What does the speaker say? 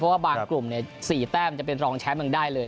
เพราะว่าบางกลุ่ม๔แต้มจะเป็นรองแชมป์ยังได้เลย